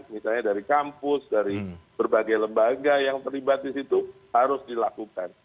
misalnya dari kampus dari berbagai lembaga yang terlibat di situ harus dilakukan